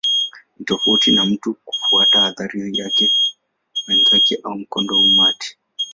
Ni tofauti na mtu kufuata athari ya wenzake au mkondo wa umati.